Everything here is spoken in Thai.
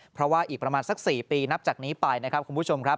เพราะว่าอีกประมาณสัก๔ปีนับจากนี้ไปนะครับคุณผู้ชมครับ